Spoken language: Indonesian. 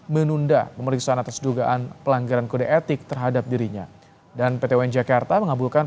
tetapi itulah alasan sehingga dikeluarkannya penetapan ini